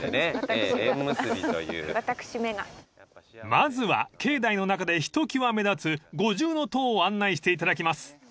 ［まずは境内の中でひときわ目立つ五重塔を案内していただきます］